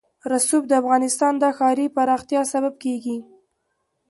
رسوب د افغانستان د ښاري پراختیا سبب کېږي.